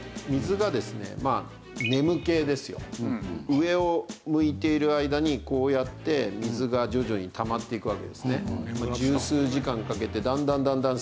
上を向いている間にこうやって水が徐々にたまっていくわけですね。